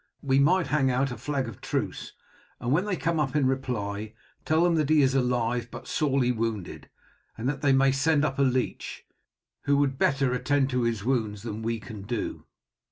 We might hang out a flag of truce, and when they come up in reply tell them that he is alive but sorely wounded, and that they may send up a leech, who would better attend to his wounds than we can do."